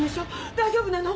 大丈夫なの！？